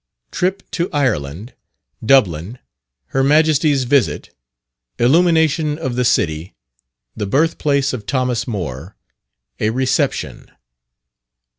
_Trip to Ireland Dublin Her Majesty's Visit Illumination of the City the Birth Place of Thomas Moore a Reception.